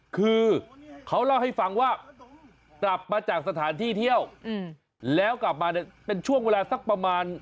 คือเขาเล่าให้ฟังว่ากลับมาจากสถานที่เที่ยวแล้วกลับมาเนี่ยเป็นช่วงเวลาสักประมาณ